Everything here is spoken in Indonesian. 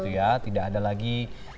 begitu ya tidak ada lagi